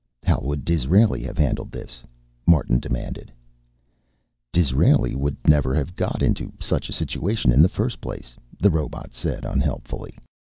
"How would Disraeli have handled this?" Martin demanded. "Disraeli would never have got into such a situation in the first place," the robot said unhelpfully.